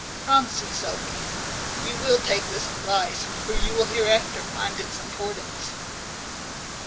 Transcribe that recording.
Promise me, Sophy, you will take this advice; for you will hereafter find its importance."